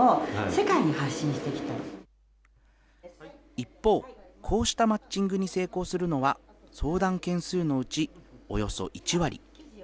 一方、こうしたマッチングに成功するのは、相談件数のうちおよそ１割。